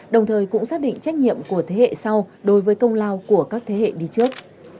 đồng thời cũng xác định trách nhiệm của thế hệ sau đối với công lao của các thế hệ đi trước